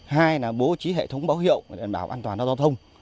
hai là bố trí hệ thống báo hiệu để đảm bảo an toàn giao thông